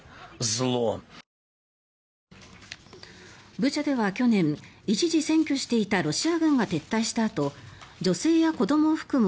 ブチャでは去年一時占拠していたロシア軍が撤退したあと女性や子どもを含む